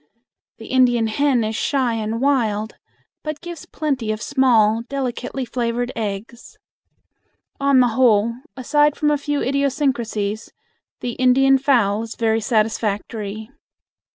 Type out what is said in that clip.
The Indian hen is shy and wild, but gives plenty of small, delicately flavored eggs. On the whole, aside from a few idiosyncrasies, the Indian fowl is very satisfactory.